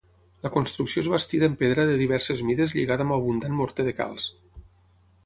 La construcció és bastida en pedra de diverses mides lligada amb abundant morter de calç.